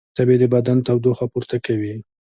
تبې د بدن تودوخه پورته کوي